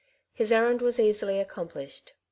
His errand was easily accomplished.